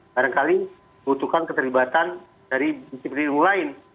barangkali butuhkan keterlibatan dari disiplin ilmu lain